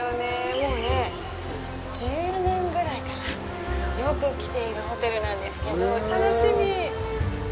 もうね、１０年ぐらいかな、よく来ているホテルなんですけど、楽しみ！